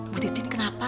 bu titin kenapa